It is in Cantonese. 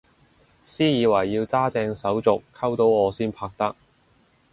私以為要揸正手續溝到我先拍得